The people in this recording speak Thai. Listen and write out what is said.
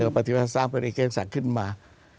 เออปฏิวัติศัพท์พลเอกเกียงศักดิ์ขึ้นมา